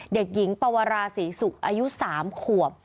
เด็กหญิงปวราศรีศุกร์อายุ๓ขวบ